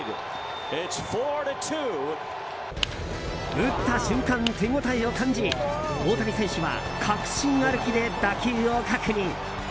打った瞬間、手応えを感じ大谷選手は確信歩きで打球を確認。